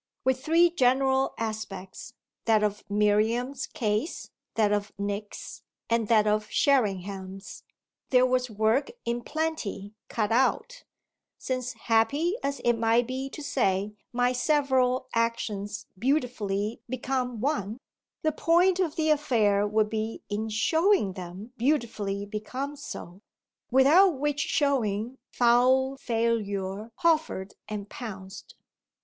With three general aspects, that of Miriam's case, that of Nick's and that of Sherringham's, there was work in plenty cut out; since happy as it might be to say, "My several actions beautifully become one," the point of the affair would be in showing them beautifully become so without which showing foul failure hovered and pounced.